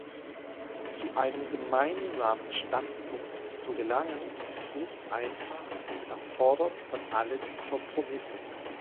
Zu einem gemeinsamen Standpunkt zu gelangen, ist nicht einfach und erfordert von allen Kompromisse.